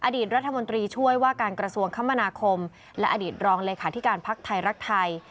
อดีตรัฐมนตรีช่วยว่าการกระทรวงคมนาคมและอดีตรองเลขาธิการภักดิ์ไทยรักไทย